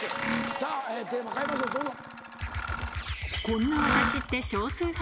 さぁテーマ変えましょうどうぞ。